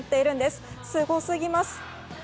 すごすぎます！